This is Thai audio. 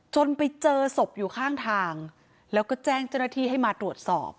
จนไปเจอศพอยู่ข้างทางแล้วก็แจ้งเจ้าหน้าที่ให้มาตรวจสอบ